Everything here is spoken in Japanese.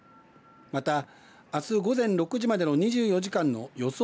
また、あす午前６時までの２４時間の予想